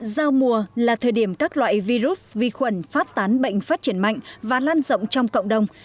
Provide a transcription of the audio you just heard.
giao mùa là thời điểm các loại virus vi khuẩn phát tán bệnh phát triển mạnh và lan rộng trong cộng đồng